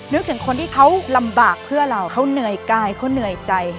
นึกถึงคนที่เขาลำบากเพื่อเราเขาเหนื่อยกายเขาเหนื่อยใจ